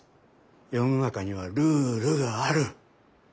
世の中にはルールがある。